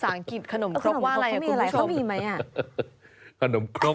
สังกิจขนมครบว่าอะไรครับคุณผู้ชม